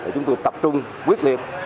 chúng tôi tập trung quyết liệt